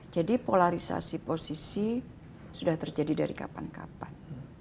jadi polarisasi posisi sudah terjadi dari kapan kapan